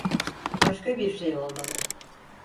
Başka bir şey olmalı.